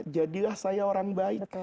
jadilah saya orang baik